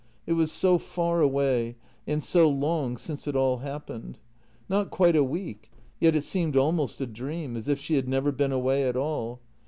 It was so far away, and so long since it all happened. Not quite a week, yet it seemed almost a dream, as if she had never been away at all.